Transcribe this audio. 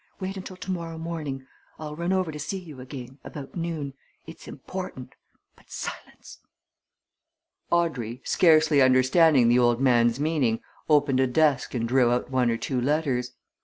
Wait until tomorrow morning. I'll run over to see you again about noon. It's important but silence!" Audrey, scarcely understanding the old man's meaning, opened a desk and drew out one or two letters.